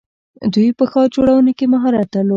دوی په ښار جوړونه کې مهارت درلود.